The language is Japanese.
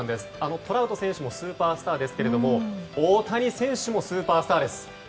トラウト選手もスーパースターですけども大谷選手もスーパースターです。